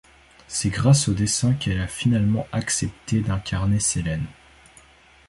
C'est grâce aux dessins qu'elle a finalement acceptée d'incarner Selene.